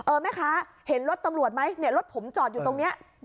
แม่ค้าเห็นรถตำรวจไหมเนี่ยรถผมจอดอยู่ตรงนี้